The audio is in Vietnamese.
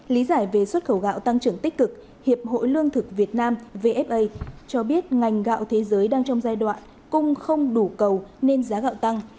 lý giải về xuất khẩu gạo tăng trưởng tích cực hiệp hội lương thực việt nam vfa cho biết ngành gạo thế giới đang trong giai đoạn cung không đủ cầu nên giá gạo tăng